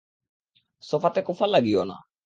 সোফাতে কুফা লাগিও না।